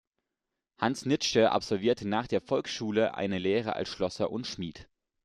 Hans Nitsche absolvierte nach der Volksschule eine Lehre als Schlosser und Schmied.